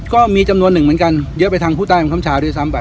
ก็มีจำนวนหนึ่งเหมือนกันเยอะไปทางผู้ใต้บังคับชาด้วยซ้ำไป